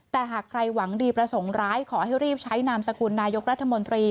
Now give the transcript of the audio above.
แต่หากใครหวังดีประสงค์ร้ายขอให้รีบใช้นามสกุลนายกรัฐมนตรี